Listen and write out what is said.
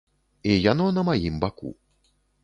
І яно на маім баку.